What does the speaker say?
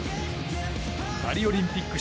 パリオリンピック